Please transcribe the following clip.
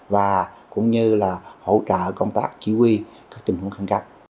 và cũng như là hỗ trợ công tác chỉ huy các tình huống khẳng cấp